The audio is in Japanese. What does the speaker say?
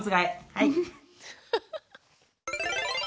はい。